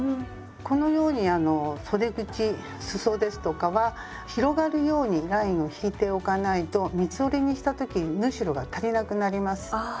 このようにあのそで口すそですとかは広がるようにラインを引いておかないと三つ折りにした時に縫い代が足りなくなります。